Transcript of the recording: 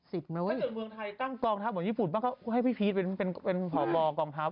ถ้าเกิดเมืองไทยตั้งกองท้าวเหมือนญี่ปุ่นมันก็ให้พี่พีชเป็นผอบลองกองท้าว